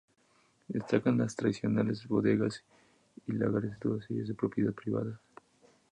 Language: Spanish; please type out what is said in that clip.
Destacan las tradicionales bodegas y lagares todas ellas de propiedad privada.